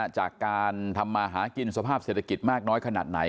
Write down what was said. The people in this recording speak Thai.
จากการทำมาหากินสภาพเศรษฐกิจมากน้อยขนาดไหน